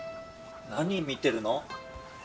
何見てるの？